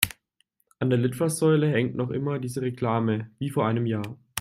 An der Litfaßsäule hängt noch immer dieselbe Reklame wie vor einem Jahr.